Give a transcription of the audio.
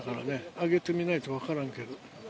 揚げてみないと分からんけど。